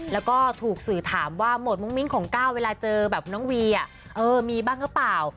แล้วก็ถูกสื่อถามว่าโหมดมุ้งมิ้งของก้าวเวลาเจอแบบน้องวีมีบ้างหรือเปล่า